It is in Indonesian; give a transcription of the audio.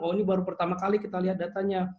oh ini baru pertama kali kita lihat datanya